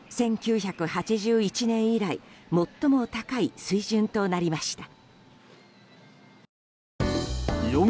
１９８１年以来最も高い水準となりました。